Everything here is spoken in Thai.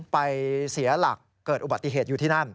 ไปเสียหลักเกิดอุบัติเหตุอยู่ที่นั่น